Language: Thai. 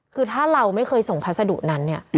คือถ้าเราไม่เคยส่งพัสดุนั้นเนี่ย